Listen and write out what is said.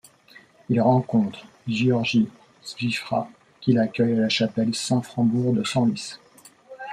Il rencontre György Cziffra qui l'accueille à la chapelle Saint-Frambourg de Senlis.